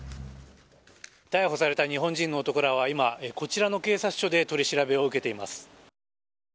逮捕された日本人の男らは、今こちらの警察署で取り調べを受けています。